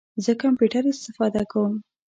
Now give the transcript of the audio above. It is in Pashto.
زه کمپیوټر استفاده کوم